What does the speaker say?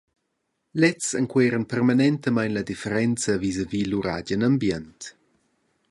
Lezs enqueran permanentamein la differenza visavi lur agen ambient.